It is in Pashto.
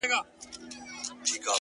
شېخ د خړپا خبري پټي ساتي،